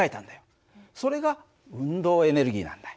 それが運動エネルギーなんだ。